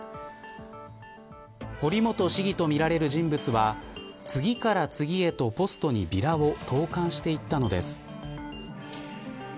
堀本市議とみられる人物は次から次へとポストにビラを投函していったのです。